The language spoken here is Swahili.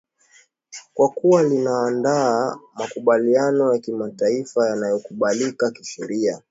kwa kuwa linaandaa makubaliano ya kimataifa yanayokubalika kisheria